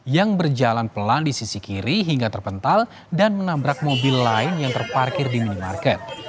yang berjalan pelan di sisi kiri hingga terpental dan menabrak mobil lain yang terparkir di minimarket